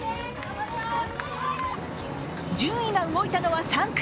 順位が動いたのは３区。